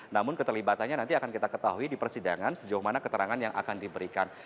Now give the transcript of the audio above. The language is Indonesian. namun keterlibatannya nanti akan kita ketahui di persidangan sejauh mana keterangan yang akan diberikan